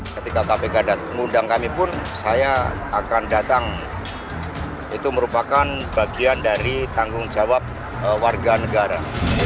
ketika kpk mengundang kami pun saya akan datang itu merupakan bagian dari tanggung jawab warga negara